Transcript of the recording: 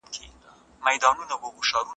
دا درېيم ځل دی چې مات زړه ټولوم